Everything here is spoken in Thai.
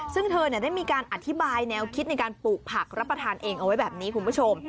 ซึ่งเธอได้มีการอธิบายแนวคิดในการปลูกผักรับประทานเองเอาไว้แบบนี้คุณผู้ชม